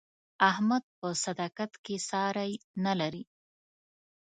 احمد په صداقت کې ساری نه لري.